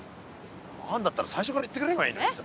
あるんだったら最初から言ってくれればいいのにさ。